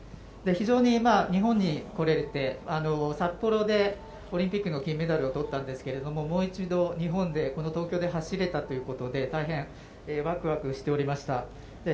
非常に日本に来れて、札幌でオリンピックの金メダルを取ったんですけど、もう一度日本で東京で走れたということで、大変ワクワクしておりました。